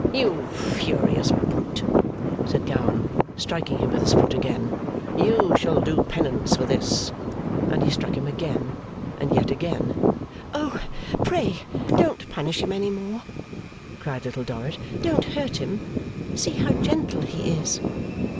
'You furious brute,' said Gowan, striking him with his foot again. 'You shall do penance for this.' And he struck him again, and yet again. 'O, pray don't punish him any more,' cried Little Dorrit. 'Don't hurt him. See how gentle he is!